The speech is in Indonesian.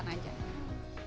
tidak hanya membahas keadaan